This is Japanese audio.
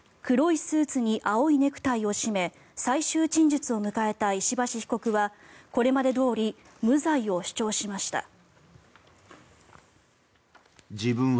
黒いスーツに青いネクタイを締め最終陳述を迎えた石橋被告はこれまでどおり無罪を主張しました。